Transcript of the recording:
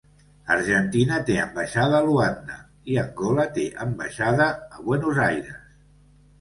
Argentina té ambaixada a Luanda i Angola té ambaixada a Buenos Aires.